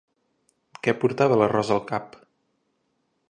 Què portava la Rosa al cap?